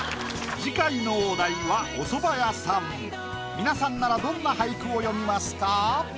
皆さんならどんな俳句を詠みますか？